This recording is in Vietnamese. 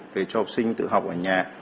để cho học sinh tự học ở nhà